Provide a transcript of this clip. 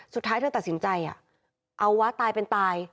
สุดท้ายเธอตัดสินใจเอาวะตายเป็นตาย